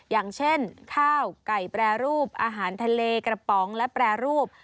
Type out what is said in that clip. อย่างเช่นข้าวไก่แปรรูปอาหารทะเลกระป๋องและแปรรูป